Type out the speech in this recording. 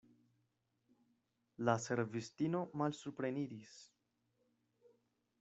La servistino malsupreniris.